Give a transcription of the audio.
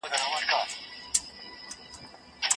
نور خلک له بدنه بهر احساس کوي.